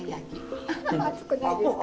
熱くないですか？